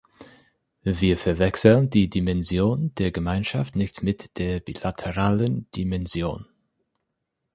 Wir verwechseln die Dimension der Gemeinschaft nicht mit der bilateralen Dimension.